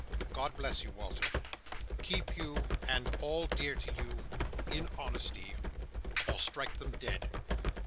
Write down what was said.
God bless you, Walter! Keep you, and all dear to you, in honesty, or strike them dead!"